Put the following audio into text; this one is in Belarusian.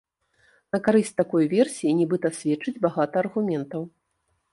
На карысць такой версіі нібыта сведчыць багата аргументаў.